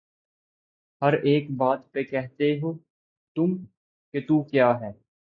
ہر ایک بات پہ کہتے ہو تم کہ تو کیا ہے